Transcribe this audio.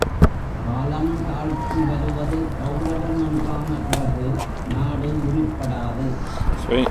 காலந் தாழ்த்தி வருவது கெளரவம் என்றான பிறகு நாடு உருப்படாது.